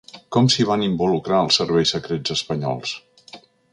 Com s’hi van involucrar els serveis secrets espanyols?